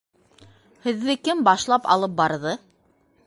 — Һеҙҙе кем башлап алып барҙы?